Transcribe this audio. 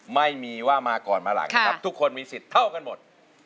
ไม่มีว่ามาก่อนมาหลังนะครับทุกคนมีสิทธิ์เท่ากันหมด